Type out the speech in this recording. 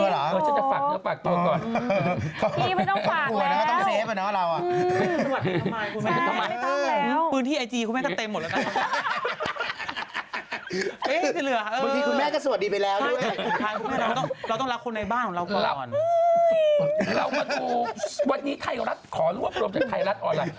เรามาดูวันนี้ไทยรัฐขอรวบรวมจากไทยรัฐออนไลน์